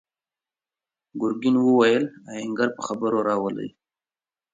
ګرګين وويل: آهنګر په خبرو راولئ!